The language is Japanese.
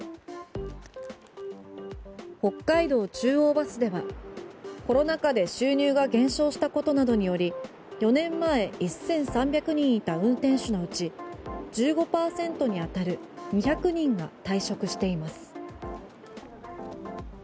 北海道中央バスでは、コロナ禍で収入が減少したことなどにより４年前１３００人いた運転手のうち１５％に当たる２００人が退職しています。